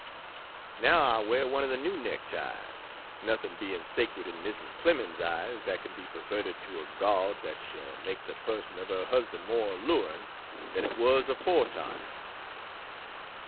Now I wear one of the new neck ties, nothing being sacred in Mrs. Clemens's eyes that can be perverted to a gaud that shall make the person of her husband more alluring than it was aforetime.